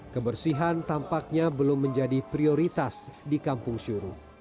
kebersihan tampaknya belum menjadi prioritas di kampung syuru